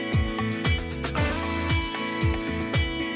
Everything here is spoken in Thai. ไม่มี